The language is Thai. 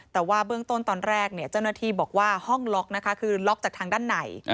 แต่ว่าเบื้องต้นตอนแรกเจ้าหน้าที่บอกว่าห้องล็อกนะคะคือล็อกจากทางด้านใน